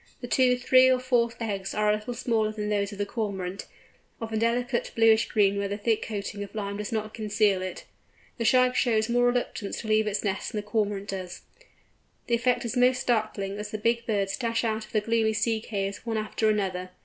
The two, three, or four eggs are a little smaller than those of the Cormorant, of a delicate bluish green where the thick coating of lime does not conceal it. The Shag shows more reluctance to leave its nest than the Cormorant does. The effect is most startling as the big birds dash out of the gloomy sea caves one after the other.